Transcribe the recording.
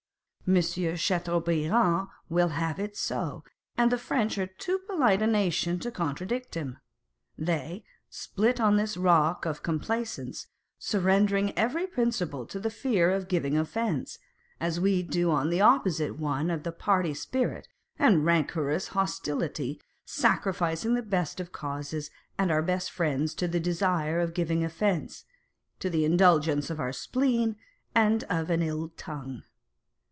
Monsieur Chateaubriand will have it so, and the French are too polite a nation to contradict him. They, split on this rock of complaisance, surrendering every principle to the fear of giving offence, as we do on the opposite one of party spirit and rancorous hostility, sacrificing the best of causes, and our best friends to the desire of giving offence, to the indulgence of our 2 H 466 Madame Pasta and Mademoiselle Mars. spleen, and of an ill tongue.